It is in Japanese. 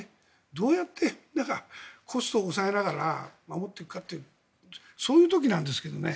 どうやってコストを抑えながら守っていくかというそういう時なんですけどね。